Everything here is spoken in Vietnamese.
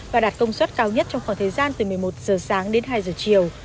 và đạt công suất cao nhất trong khoảng thời gian từ một mươi một giờ sáng đến hai giờ chiều